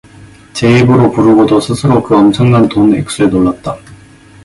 제 입으로 부르고도 스스로 그 엄청난 돈 액수에 놀랐다.